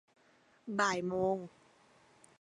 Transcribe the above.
บ่ายโมง